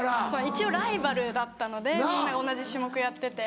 一応ライバルだったのでみんな同じ種目やってて。